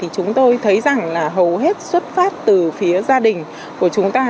chúng tôi thấy rằng là hầu hết xuất phát từ phía gia đình của chúng ta